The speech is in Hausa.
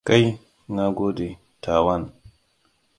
Kai, na gode, tawan.